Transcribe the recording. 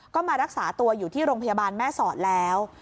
ก็มารักษาตัวอยู่ที่โรงพยาบาลแม่สอดแล้ว